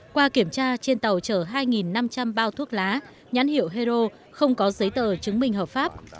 qua kiểm tra trên tàu chở hai năm trăm linh bao thuốc lá nhãn hiệu hero không có giấy tờ chứng minh hợp pháp